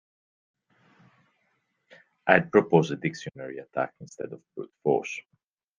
I'd propose a dictionary attack instead of brute force.